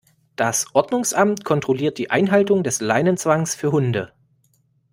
Das Ordnungsamt kontrolliert die Einhaltung des Leinenzwangs für Hunde.